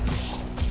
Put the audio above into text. mama mau ngapain